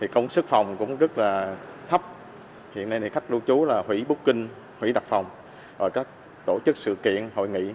công suất phòng cũng rất là thấp hiện nay khách lưu trú là hủy booking hủy đặt phòng tổ chức sự kiện hội nghị